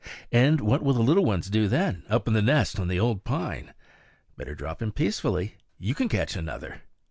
And what will the little ones do then, up in the nest on the old pine? Better drop him peacefully; you can catch another.